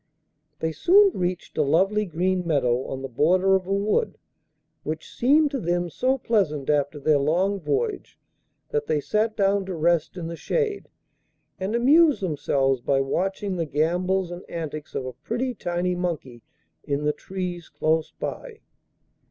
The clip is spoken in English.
They soon reached a lovely green meadow on the border of a wood, which seemed to them so pleasant after their long voyage that they sat down to rest in the shade and amused themselves by watching the gambols and antics of a pretty tiny monkey in the trees close by.